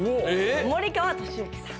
森川智之さん